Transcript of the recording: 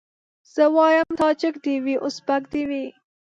زه وايم تاجک دي وي ازبک دي وي